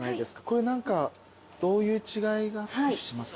これ何かどういう違いがあったりしますか？